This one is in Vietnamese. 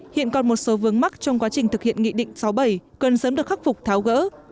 hiện còn một số vướng mắt trong quá trình thực hiện nghị định sáu bảy cần sớm được khắc phục tháo gỡ